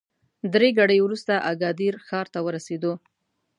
درې ګړۍ وروسته اګادیر ښار ته ورسېدو.